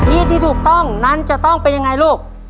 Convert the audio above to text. กะทิที่ถูกต้องนั้นจะต้องเป็นอย่างไรลูก